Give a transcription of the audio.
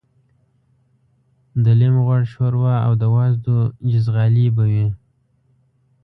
د لېم غوړ شوروا او د وازدو جیزغالي به وې.